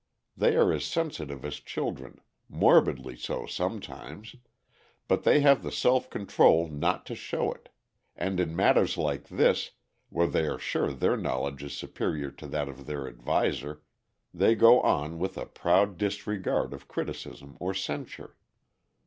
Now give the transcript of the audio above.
They are as sensitive as children, morbidly so sometimes, but they have the self control not to show it, and in matters like this, where they are sure their knowledge is superior to that of their adviser, they go on with a proud disregard of criticism or censure.